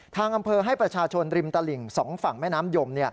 ทางอำเภอให้ประชาชนริมตลิ่ง๒ฝั่งแม่น้ำยม